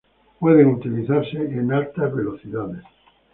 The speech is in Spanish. Pueden utilizarse en altas velocidades.